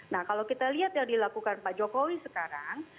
nah kalau kita lihat yang dilakukan pak jokowi sekarang